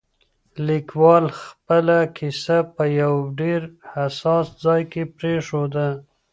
لیکوال خپله کیسه په یو ډېر حساس ځای کې پرېښوده.